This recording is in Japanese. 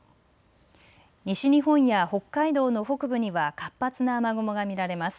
西日本や北海道の北部には活発な雨雲が見られます。